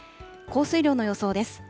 降水量の予想です。